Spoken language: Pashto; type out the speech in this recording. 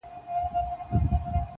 جاهل اولسه کور دي خراب دی -